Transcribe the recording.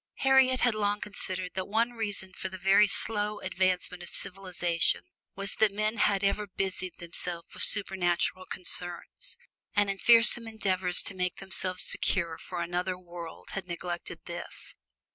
Harriet had long considered that one reason for the very slow advancement of civilization was that men had ever busied themselves with supernatural concerns; and in fearsome endeavors to make themselves secure for another world had neglected this.